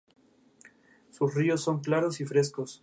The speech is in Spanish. Sus ríos son claros y frescos.